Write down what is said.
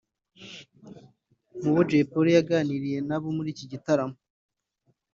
Mu bo Jay Polly yaganiriye nabo muri iki gitaramo